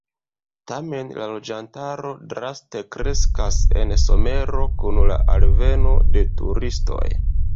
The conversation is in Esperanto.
Tamen la loĝantaro draste kreskas en somero kun la alveno de turistoj.